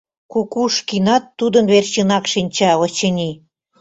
Кукушкинат тудын верчынак шинча, очыни...